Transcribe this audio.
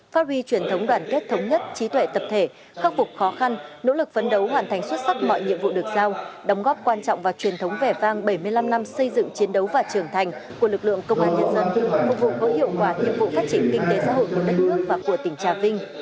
phát huy truyền thống đoàn kết thống nhất trí tuệ tập thể khắc phục khó khăn nỗ lực phấn đấu hoàn thành xuất sắc mọi nhiệm vụ được giao đóng góp quan trọng và truyền thống vẻ vang bảy mươi năm năm xây dựng chiến đấu và trưởng thành của lực lượng công an nhân dân phục vụ có hiệu quả nhiệm vụ phát triển kinh tế xã hội của đất nước và của tỉnh trà vinh